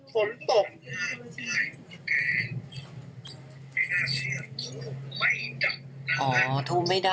ฝนตกอ๋อทูบไม่ดับ